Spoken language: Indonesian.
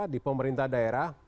di pemerintah daerah